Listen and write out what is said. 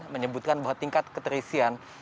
menyebutkan bahwa tingkat keterisian